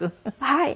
はい。